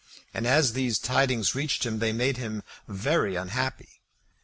And as these tidings reached him they made him very unhappy.